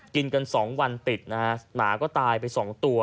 กินกัน๒วันติดนะฮะหมาก็ตายไป๒ตัว